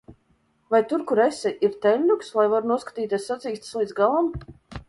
Vai tur, kur esi, ir teļļuks, lai varu noskatīties sacīkstes līdz galam?